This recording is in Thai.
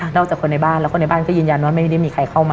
จากคนในบ้านแล้วคนในบ้านก็ยืนยันว่าไม่ได้มีใครเข้ามา